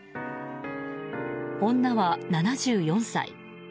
女は７４歳。